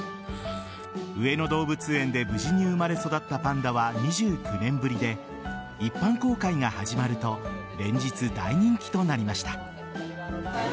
上野動物園で無事に生まれ育ったパンダは２９年ぶりで一般公開が始まると連日、大人気となりました。